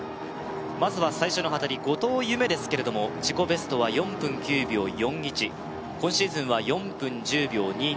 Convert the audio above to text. まずは最初の後藤夢ですけれども自己ベストは４分９秒４１今シーズンは４分１０秒２２